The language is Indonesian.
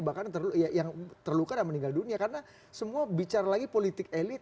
bahkan yang terluka dan meninggal dunia karena semua bicara lagi politik elit